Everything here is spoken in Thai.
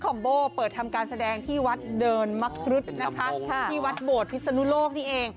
โบเปิดทำการแสดงที่วัดเดินมะครุฑนะคะที่วัดโบดพิศนุโลกนี่เอง